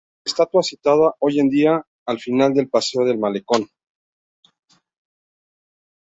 Estatua situada hoy día al final del paseo del Malecón.